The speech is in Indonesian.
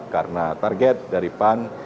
karena target dari pan